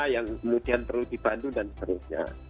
yang kemudian perlu dibantu dan seterusnya